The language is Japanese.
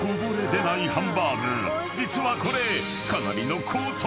［実はこれ］